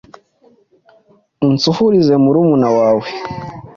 unsuhurize murumuna wawe’